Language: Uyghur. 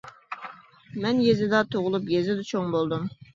مەن يېزىدا تۇغۇلۇپ، يېزىدا چوڭ بولدۇم.